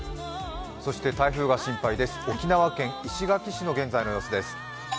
台風が心配です、沖縄県石垣市の現在の様子です。